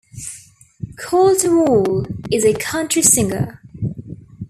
Colter Wall is a country singer.